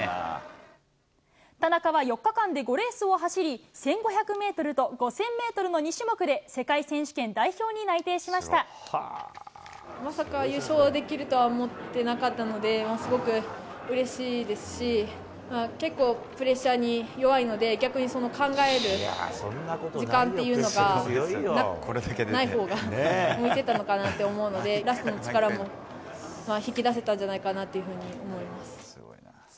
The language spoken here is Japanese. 田中は４日間で５レースを走り、１５００メートルと５０００メートルの２種目で、世界選手権代表まさか優勝できるとは思ってなかったので、もうすごくうれしいですし、結構、プレッシャーに弱いので、逆に考える時間っていうのがないほうが、向いてたのかなって思うので、ラストの力も引き出せたんじゃないかなっていうふうに思います。